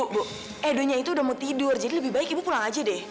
bu edonya itu udah mau tidur jadi lebih baik ibu pulang aja deh